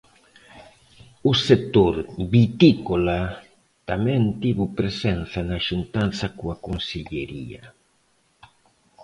O sector vitícola tamén tivo presenza na xuntanza coa Consellería.